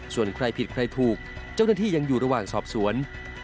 ส่วนใครผิดใครถูกเจ้าหน้าที่ยังอยู่ระหว่างสอบสวน